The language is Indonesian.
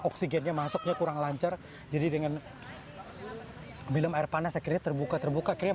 oksigennya masuknya kurang lancar jadi dengan minum air panas akhirnya terbuka terbuka krim